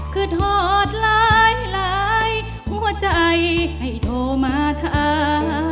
คือทอดหลายหลายหัวใจให้โทรมาทะอา